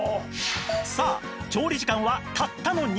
さあ調理時間はたったの２分